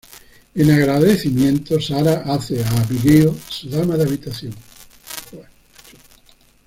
En agradecimiento, Sarah hace a Abigail su dama de habitación.